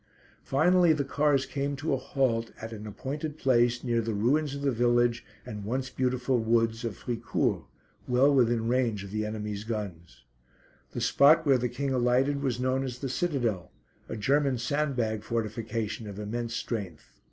Finally the cars came to a halt at an appointed place near the ruins of the village and once beautiful woods of Fricourt, well within range of the enemies' guns. The spot where the King alighted was known as the Citadel, a German sandbag fortification of immense strength.